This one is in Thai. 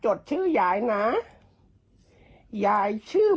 จดทันไหมหนู